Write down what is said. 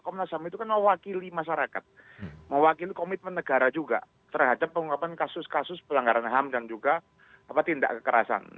komnas ham itu kan mewakili masyarakat mewakili komitmen negara juga terhadap pengungkapan kasus kasus pelanggaran ham dan juga tindak kekerasan